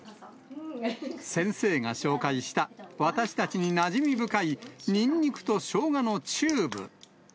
先生が紹介した、私たちになじみ深いニンニクとショウガのチューブ。